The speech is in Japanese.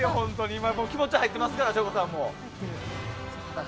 今、気持ち入ってますから省吾さんも。